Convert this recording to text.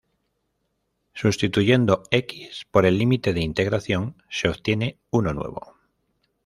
Sustituyendo "x" por el límite de integración, se obtiene uno nuevo.